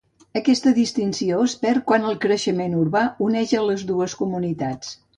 Aquesta distinció es perd quan el creixement urbà uneix a les dues comunitats.